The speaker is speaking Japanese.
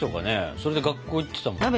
それで学校行ってたんですよね。